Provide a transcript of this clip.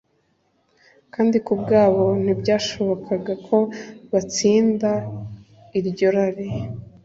kandi ku bwabo ntibyashobokaga ko batsinda iryo rari.